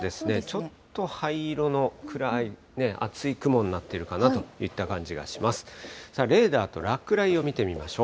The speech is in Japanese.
ちょっと灰色の暗い、厚い雲になっているかなといった感じがします。